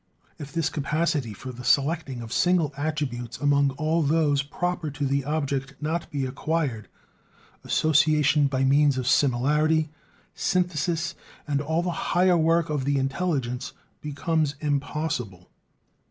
If this capacity for the selecting of single attributes among all those proper to the object be not acquired, association by means of similarity, synthesis, and all the higher work of the intelligence becomes impossible.